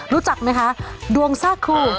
รู้จักไหมคะดวงซากครู